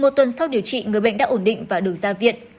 một tuần sau điều trị người bệnh đã ổn định và được ra viện